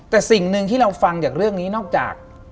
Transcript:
แต่สิ่งหนึ่งที่เราฟังจากเรื่องนี้นอกจาก